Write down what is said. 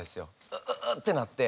うううってなって。